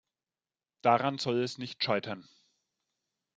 Daran soll es nicht scheitern.